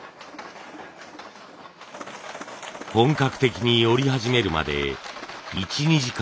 本格的に織り始めるまで１２時間。